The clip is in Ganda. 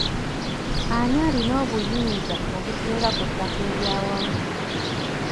Ani alina obuyinza obusinga ku ttaka ery'awamu?